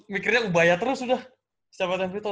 mikirnya ubaya terus udah setiap latihan free throw